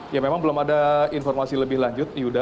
ya memang belum ada informasi lebih lanjut yuda